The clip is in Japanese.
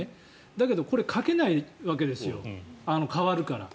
だけど、これ書けないわけですよ変わるから。